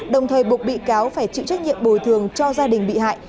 đồng thời buộc bị cáo phải chịu trách nhiệm bồi thường cho gia đình bị hại